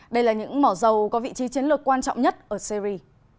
đây là những mỏ dầu có vị trí chiến lược quan trọng nhất ở syri